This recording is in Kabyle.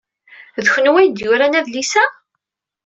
D kenwi ay d-yuran adlis-a?